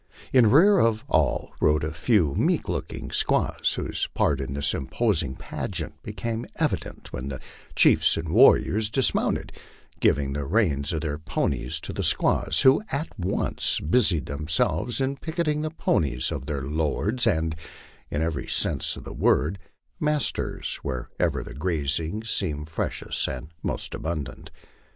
In rear of all rode a few meek looking squaws, whose part in this imposing pageant became evident when the chiefs and warriors dismounted, giving the reins of their ponies to the squaws, who at once busied themselves in picketing the ponies of their lords, and, in every sense of the word, mas ters, wherever the grazing seemed freshest and most abundant.